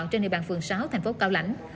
trên địa bàn phường sáu thành phố cao lãnh